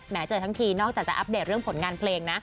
เจอทั้งทีนอกจากจะอัปเดตเรื่องผลงานเพลงนะ